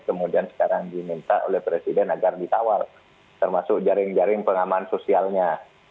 kemudian sekarang diminta oleh presiden agar ditawal termasuk jaring jaring pengaman sosialnya